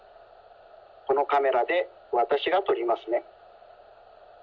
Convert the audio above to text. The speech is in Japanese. このカメラでわたしがとりますね。